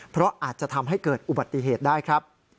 เพราะอาจจะทำให้เกิดอุบัติเหตุได้ครับ